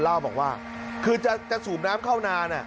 เล่าบอกว่าคือจะสูบน้ำเข้านาน